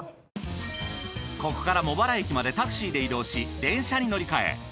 ここから茂原駅までタクシーで移動し電車に乗り換え